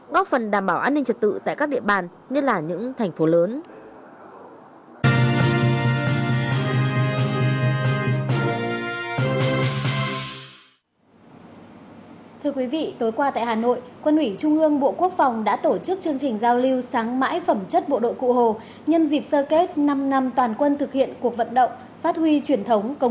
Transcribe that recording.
góp phần đảm bảo an ninh trật tự tại các địa bàn như là những thành phố lớn